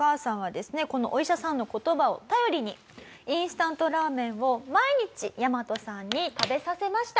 このお医者さんの言葉を頼りにインスタントラーメンを毎日ヤマトさんに食べさせました。